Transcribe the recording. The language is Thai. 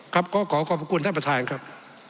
ครับก็ขอขอบพระคุณท่านประธานครับ